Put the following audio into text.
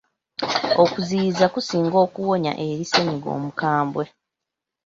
Okuziyiza kusinga okuwonya eri ssenyiga omukambwe.